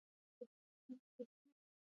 استاد بینوا د خپلواک فکر مالک و.